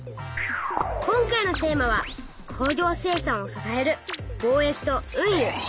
今回のテーマは「工業生産を支える貿易と運輸」。